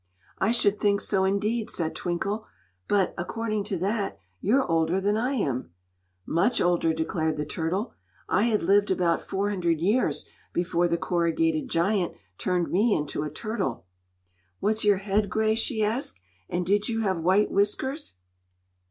"I should think so, indeed," said Twinkle. "But, according to that, you're older than I am." "Much older," declared the turtle. "I had lived about four hundred years before the Corrugated Giant turned me into a turtle." "Was your head gray?" she asked; "and did you have white whiskers?"